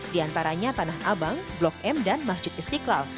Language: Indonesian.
diantaranya tanah abang blok m dan masjid istiqlal